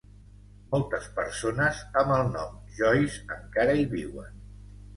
Moltes persones amb el nom Joyce encara hi viuen.